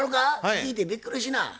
聞いてびっくりしな。